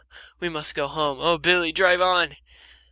We must go home. Oh, Billy, drive on!"